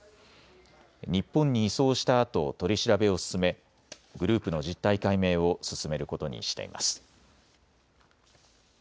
日本に移送したあと取り調べを進めグループの実態解明を進めることにしています。